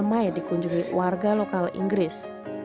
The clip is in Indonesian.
ramai dikunjungi warga lokal inggris